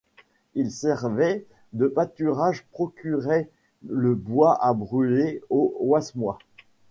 Elles servaient de pâturages, procuraient le bois à brûler aux Wasmois.